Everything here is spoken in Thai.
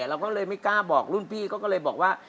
เราก็เลยไม่กล้าบอกรุ่นพี่เขาก็เลยบอกว่า